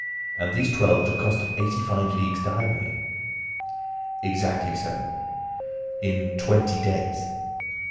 "And these twelve at a cost of 85 leagues diagonally?" "Exactly so." "In twenty days?"